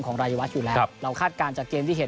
รายวัฒน์อยู่แล้วเราคาดการณ์จากเกมที่เห็น